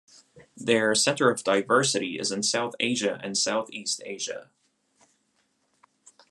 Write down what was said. Their center of diversity is in South Asia and Southeast Asia.